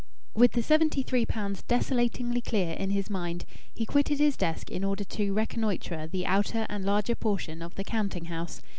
With the seventy three pounds desolatingly clear in his mind, he quitted his desk in order to reconnoitre the outer and larger portion of the counting house.